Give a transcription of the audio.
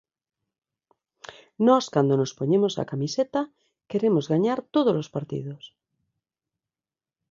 Nós cando nos poñemos a camiseta queremos gañar todos os partidos.